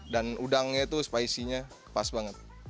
dan udangnya itu spicinessnya pas banget